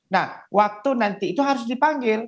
nah waktu nanti itu harus dipanggil